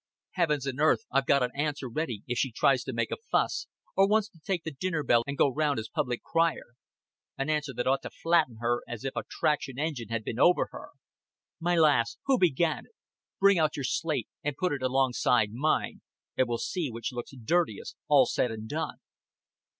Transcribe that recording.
Heavens an' earth, I've got an answer ready if she tries to make a fuss, or wants to take the dinner bell and go round as public crier an answer that ought to flatten her as if a traction engine had bin over her. 'My lass, who began it? Bring out your slate and put it alongside mine, an' we'll see which looks dirtiest, all said and done.'"